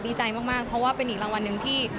ดีใจมากเพราะว่าเป็นอีกรางวัลหนึ่งที่